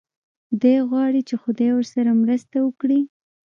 دی غواړي چې خدای ورسره مرسته وکړي.